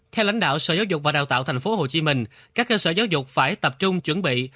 theo lãnh đạo sở giáo dục và đào tạo tp hcm các cơ sở giáo dục phải tập trung chuẩn bị